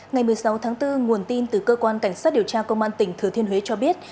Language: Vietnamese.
ngày một mươi sáu tháng bốn nguồn tin từ cơ quan cảnh sát điều tra công an tỉnh thừa thiên huế cho biết